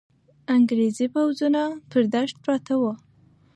انګریزي پوځونه پر دښته پراته وو.